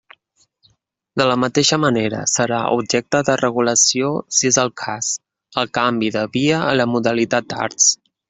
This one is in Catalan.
De la mateixa manera, serà objecte de regulació, si és el cas, el canvi de via en la modalitat d'Arts.